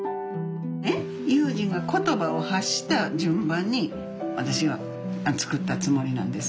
悠仁が言葉を発した順番に私は作ったつもりなんです。